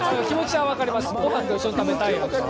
気持ちは分かります。